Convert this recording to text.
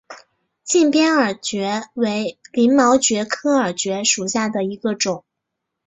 近边耳蕨为鳞毛蕨科耳蕨属下的一个种。